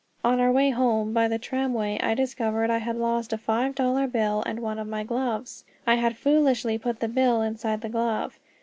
On our way home by the tramway I discovered I had lost a five dollar bill and one of my gloves. I had foolishly put the bill inside the glove.